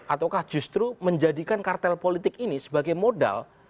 ataukah justru menjadikan kartel politik ini sebagai modal